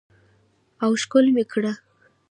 او ښکل مې کړ.